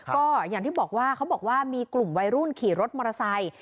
ก็อย่างที่บอกว่าเขาบอกว่ามีกลุ่มวัยรุ่นขี่รถมอเตอร์ไซค์